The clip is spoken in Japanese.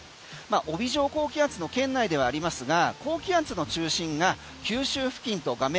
帯状高気圧の圏内ではありますが高気圧の中心が九州付近と画面